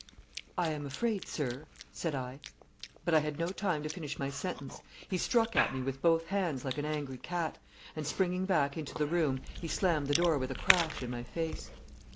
'I am afraid, sir ' said I. But I had no time to finish my sentence. He struck at me with both hands like an angry cat, and, springing back into the room, he slammed the door with a crash in my face.